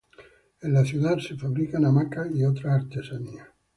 En la ciudad se fabrican hamacas y otras artesanías.